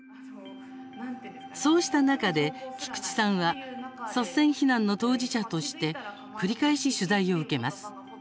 そうした中で、菊池さんは率先避難の当事者として繰り返し取材を受けます。